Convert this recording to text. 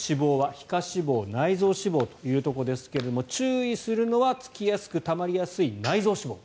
皮下脂肪、内臓脂肪というところですが注意するのがつきやすく、たまりやすい内臓脂肪。